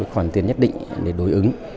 khoản tiền nhất định để đối ứng